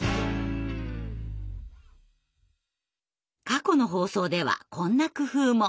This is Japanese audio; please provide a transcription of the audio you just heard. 過去の放送ではこんな工夫も。